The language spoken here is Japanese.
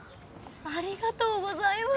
ありがとうございます。